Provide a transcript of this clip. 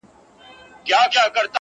له ربابي سره شهباز ژړله!